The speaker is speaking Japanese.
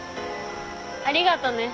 ありがとね。